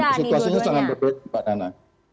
iya situasinya sangat berbeda pak nana